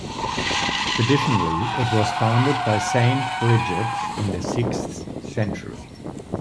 Traditionally, it was founded by Saint Bridget in the sixth century.